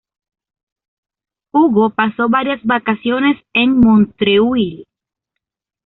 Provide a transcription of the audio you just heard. Hugo pasó varias vacaciones en Montreuil.